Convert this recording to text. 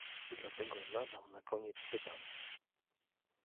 Dlatego zadam na koniec pytanie